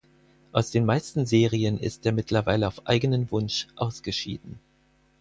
Aus den meisten Serien ist er mittlerweile auf eigenen Wunsch ausgeschieden.